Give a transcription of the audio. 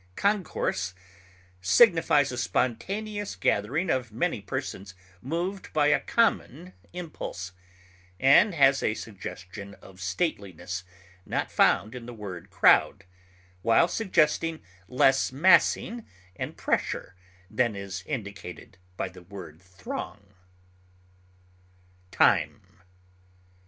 Concourse signifies a spontaneous gathering of many persons moved by a common impulse, and has a suggestion of stateliness not found in the word crowd, while suggesting less massing and pressure than is indicated by the word throng. TIME.